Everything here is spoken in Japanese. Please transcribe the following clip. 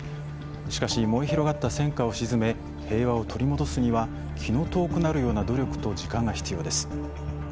しかし燃え広がった戦火を鎮め平和を取り戻すには気の遠くなるような努力と時間が必要です。